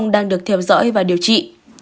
đang được theo dõi và điều trị